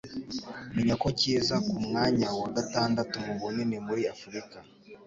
menya ko kiza ku mwanya wa gatandatu mu bunini muri Afurika.